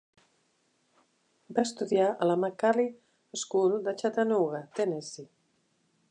Va estudiar a la McCallie School de Chattanooga, Tennessee.